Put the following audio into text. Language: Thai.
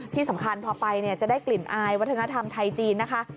ที่สำคัญพอไปจะได้กลิ่นอายวัฒนธรรมไทยจีนนะคะ